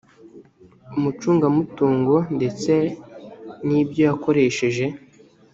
umucungamutungo ndetse n ibyo yakoresheje